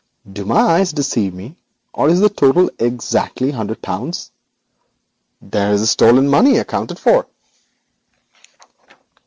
Do my eyes deceive me, or is the sum exactly a hundred pounds? There is your money fully accounted for.'